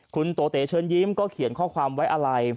คุณโตเตเชิญยิ้มก็เขียนข้อความไว้อะไร